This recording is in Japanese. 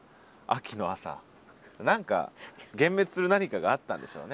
何か幻滅する何かがあったんでしょうね。